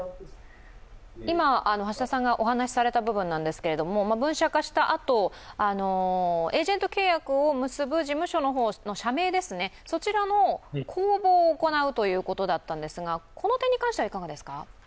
今、橋田さんがお話しされた部分なんですけれども、分社化したあと、エージェント契約を結ぶ事務所の方の社名ですね、そちらの公募を行うということでしたがこの点に関してはいかがですか？